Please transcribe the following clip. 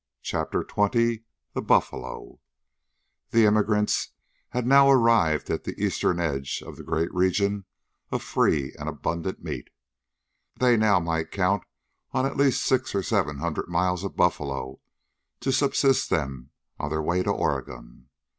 CHAPTER XX THE BUFFALO The emigrants had now arrived at the eastern edge of the great region of free and abundant meat. They now might count on at least six or seven hundred miles of buffalo to subsist them on their way to Oregon.